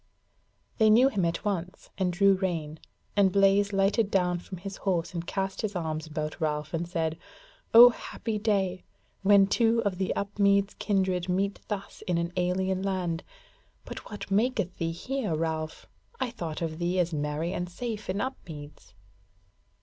They knew him at once, and drew rein, and Blaise lighted down from his horse and cast his arms about Ralph, and said: "O happy day! when two of the Upmeads kindred meet thus in an alien land! But what maketh thee here, Ralph? I thought of thee as merry and safe in Upmeads?"